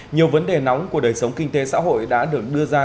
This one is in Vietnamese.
nhiều vấn đề nóng của đời sống kinh tế xã hội đã được đưa ra